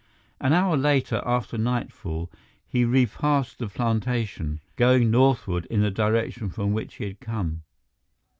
An hour later, after nightfall, he repassed the plantation, going northward in the direction from which he had come.